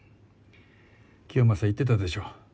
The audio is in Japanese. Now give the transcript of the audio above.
清正言ってたでしょ。